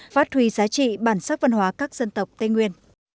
phát huy giá trị bản sắc văn hóa các dân tộc tây nguyên